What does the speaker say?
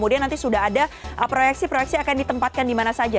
dia nanti sudah ada proyeksi proyeksi akan ditempatkan dimana saja